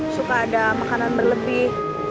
suka ada makanan berlebih